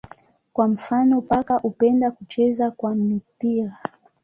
Kwa mfano paka hupenda kucheza kwa mpira.